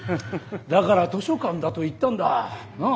だから図書館だと言ったんだ。なあ？